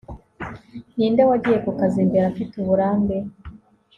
ni nde wagiye ku kazi mbere afite uburambe